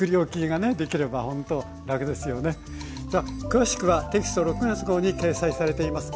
詳しくはテキスト６月号に掲載されています。